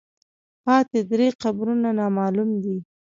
پاتې درې قبرونه نامعلوم دي.